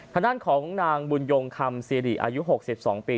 ขณะของนางบุญยงคำเซียดิอายุ๖๒ปี